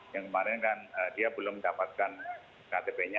yang kemarin kan dia belum dapatkan ktp nya